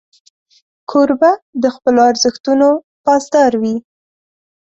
کوربه د خپلو ارزښتونو پاسدار وي.